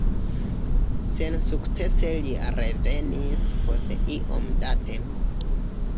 Sensukcese li revenis post iom da tempo.